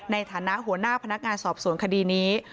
ในฐานะหัวหน้าพนักงานสอบสวนคดีนี้